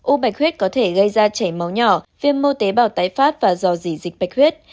ô bạch huyết có thể gây ra chảy máu nhỏ viêm mô tế bào tái phát và dò dỉ dịch bạch huyết